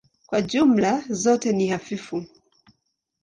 Kwa jumla zote ni hafifu.